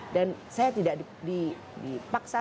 dan saya tidak dipaksa